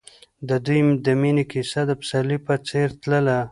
د دوی د مینې کیسه د پسرلی په څېر تلله.